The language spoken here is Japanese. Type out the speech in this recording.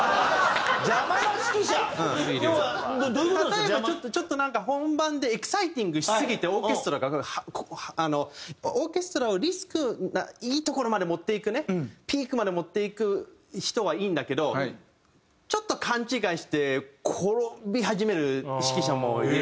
例えばちょっとなんか本番でエキサイティングしすぎてオーケストラがあのオーケストラをいいところまで持っていくねピークまで持っていく人はいいんだけどちょっと勘違いして転び始める指揮者もいるので。